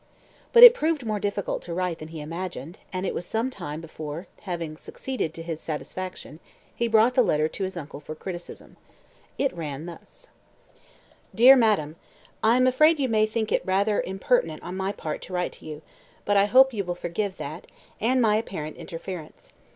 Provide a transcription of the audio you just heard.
But it proved more difficult to write than he imagined, and it was some time before having succeeded to his satisfaction he brought the letter to his uncle for criticism. It ran thus: "DEAR MADAM, I am afraid you may think it rather impertinent on my part to write to you, but I hope you will forgive that, and my apparent interference.